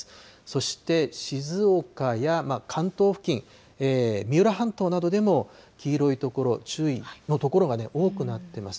そして、静岡や関東付近、三浦半島などでも、黄色い所、注意の所が多くなってます。